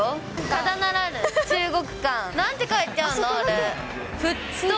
ただならぬ中国感。なんて書いてあるの？